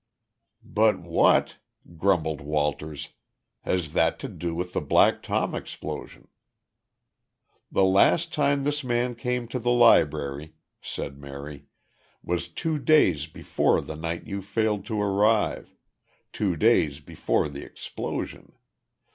"But what," grumbled Walters, "has that to do with the Black Tom explosion?" "The last time this man came to the Library," said Mary, "was two days before the night you failed to arrive two days before the explosion.